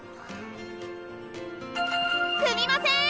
すみません！